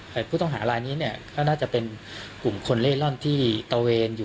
หายผู้ต้องหารายนี้ก็น่าจะเป็นหุ่นคนเล่เรื่องที่เนี่ย